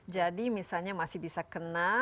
jadi misalnya masih bisa kena